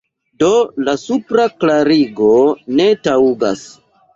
Do la supra klarigo ne taŭgas.